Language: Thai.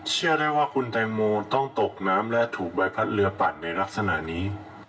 เชื่อได้ว่าคุณแตงโมต้องตกน้ำและถูกใบพัดเรือปัดในลักษณะนี้